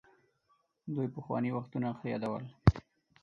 دوی پخواني وختونه ښه يادول.